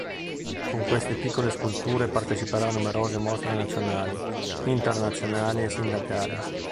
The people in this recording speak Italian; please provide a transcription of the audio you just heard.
Con queste piccole sculture parteciperà a numerose mostre nazionali, internazionali e sindacali.